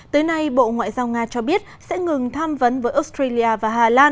tới nay bộ ngoại giao nga cho biết sẽ ngừng tham vấn với australia và hà lan